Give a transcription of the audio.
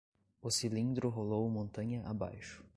O cilindro rolou montanha abaixo